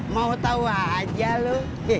mau tau aja lu